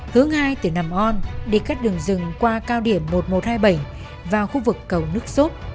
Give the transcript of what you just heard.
hướng hai từ nằm on đi các đường rừng qua cao điểm một nghìn một trăm hai mươi bảy vào khu vực cầu nước sốt